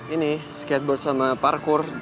ini skateboard sama parkour